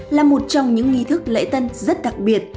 là một trong những nghi thức lễ tân rất đặc biệt